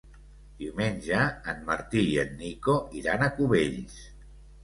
Diumenge en Martí i en Nico iran a Cubells.